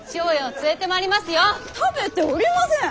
食べておりません！